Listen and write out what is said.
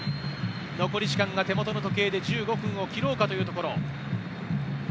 残り時間が手元の時計で１５分を切ろうかというところ。